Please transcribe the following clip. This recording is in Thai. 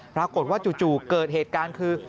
ปรากฏว่าจู่เกิดเหตุการณ์คือ